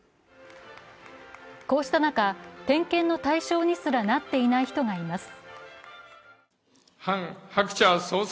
こうした中、点検の対象にすらなっていない人がいます。